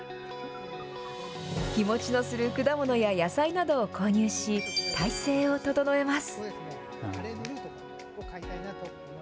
日持ちのする果物や野菜などを購入し、態勢を整えます。